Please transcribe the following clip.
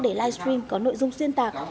để livestream có nội dung xuyên tạc